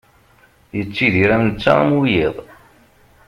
Yettidir am netta am wiyiḍ.